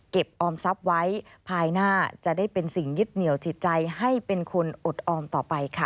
ออมทรัพย์ไว้ภายหน้าจะได้เป็นสิ่งยึดเหนียวจิตใจให้เป็นคนอดออมต่อไปค่ะ